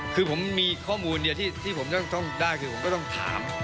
คือผมมีข้อมูลเดียวที่ผมต้องได้คือผมก็ต้องถาม